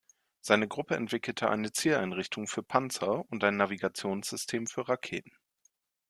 Seine Gruppe entwickelte eine Zieleinrichtung für Panzer und ein Navigationssystem für Raketen.